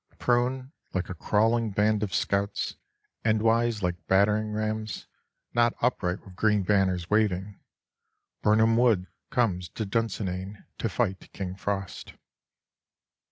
Prone like a crawling band of scouts, endwise like battering rams, not upright with green banners waving, Birnam wood comes to Dunsinane to fight King Frost.